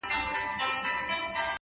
• د نظرونو په بدل کي مي فکرونه راوړل؛